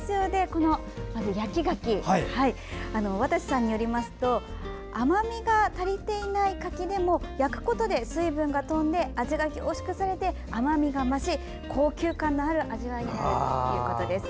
焼き柿渡瀬さんによりますと甘みが足りない柿でも焼くことで水分が飛んで味が凝縮されて甘みが増し高級感のある味わいになるということです。